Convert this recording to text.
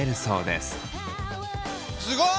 すごい！